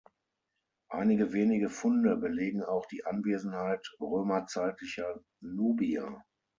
Einige wenige Funde belegen auch die Anwesenheit römerzeitlicher Nubier.